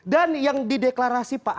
dan yang dideklarasi pak surya palo